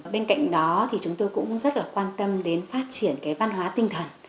bên cạnh đó chúng tôi cũng rất quan tâm đến phát triển văn hóa tinh thần